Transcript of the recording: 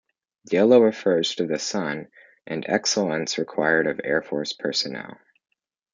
Yellow refers to the sun and excellence required of Air Force personnel.